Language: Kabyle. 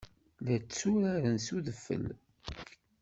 La tturaren s udfel.